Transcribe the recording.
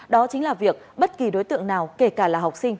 đó chính là việc bất kỳ đối tượng nào kể cả là học sinh